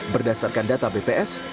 berdasarkan data bps